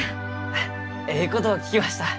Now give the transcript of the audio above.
あっえいことを聞きました。